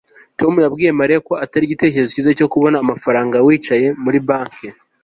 tom yabwiye mariya ko atari igitekerezo cyiza cyo kubona amafaranga wicaye muri banki